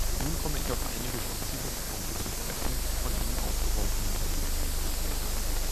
Nun komme ich auf einige spezifische Punkte zu sprechen, die von Ihnen aufgeworfen wurden.